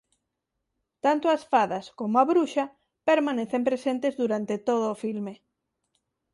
Tanto as fadas coma a bruxa permanecen presentes durante todo o filme.